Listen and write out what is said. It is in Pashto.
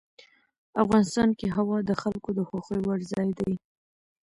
افغانستان کې هوا د خلکو د خوښې وړ ځای دی.